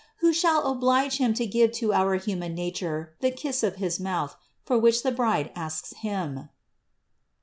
Oh who shall oblige Him to give to our human nature the kiss of his mouth, for which the bride asks Him!